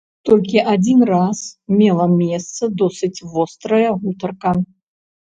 Толькі адзін раз мела месца досыць вострая гутарка.